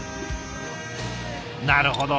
なるほど。